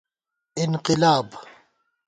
انقِلاب